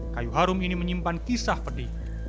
kayu harum ini menyimpan kisah pedih